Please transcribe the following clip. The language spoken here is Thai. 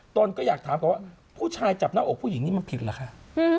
ตนก็อยากถามก่อนว่าผู้ชายจับหน้าอกผู้หญิงนี่มันผิดเหรอคะ